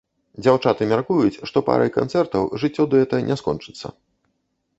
Дзяўчаты мяркуюць, што парай канцэртаў жыццё дуэта не скончыцца.